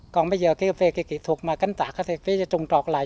còn bây giờ về cái kỹ thuật mà cánh tạc thì phải trùng trọt lại